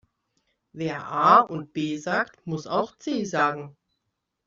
Wer A und B sagt, muss auch C sagen.